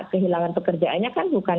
kehilangan pekerjaannya kan bukan